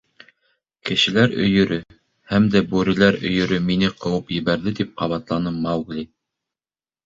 — Кешеләр өйөрө һәм дә бүреләр өйөрө мине ҡыуып ебәрҙе, — тип ҡабатланы Маугли.